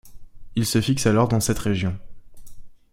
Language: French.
Il se fixe alors dans cette région.